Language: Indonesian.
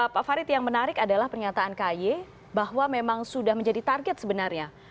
pak farid yang menarik adalah pernyataan ky bahwa memang sudah menjadi target sebenarnya